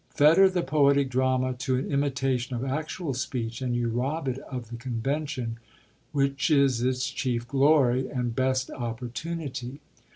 Fetter the poetic drama to an imitation of actual speech, and you rob it of the convention which is its chief glory and best opportunity.